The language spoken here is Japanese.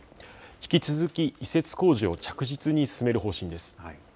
引き続き移設工事を着実に進める方針です。